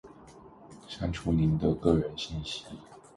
删除您的个人信息；